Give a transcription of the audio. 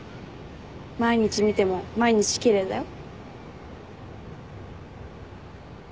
毎日見ても毎日奇麗だよ。